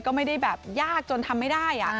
ก็ไม่ได้แบบยากจนทำไม่ได้